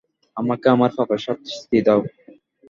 আমাকে আমার পাপের শাস্তি দাও।